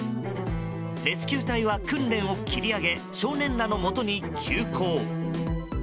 レスキュー隊は訓練を切り上げ少年らのもとに急行。